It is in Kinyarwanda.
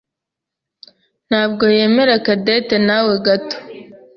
ntabwo yemera Cadette nawe gato.